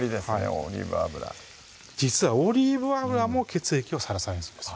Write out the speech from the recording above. オリーブ油実はオリーブ油も血液をサラサラにします